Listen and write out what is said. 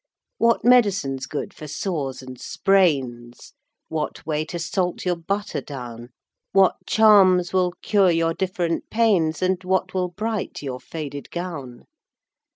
What medicine's good for sores and sprains, What way to salt your butter down, What charms will cure your different pains, And what will bright your faded gown.